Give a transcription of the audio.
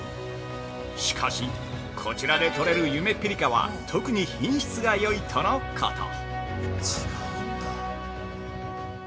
しかし、こちらで取れるゆめぴりかは特に品質がよいとのこと。